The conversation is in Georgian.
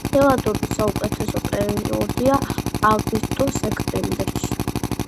ხილვადობის საუკეთესო პირობებია აგვისტო-სექტემბერში.